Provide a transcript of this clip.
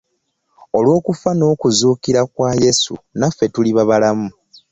Olw'okufa n'okuzuukira kwa Yesu naffe tuliba balamu.